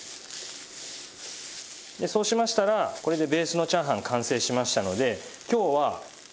そうしましたらこれでベースのチャーハン完成しましたので今日は取り出します。